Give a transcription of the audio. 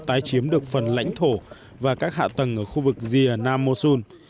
tái chiếm được phần lãnh thổ và các hạ tầng ở khu vực rìa nam mosul